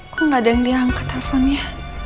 kok nggak ada yang diangkat teleponnya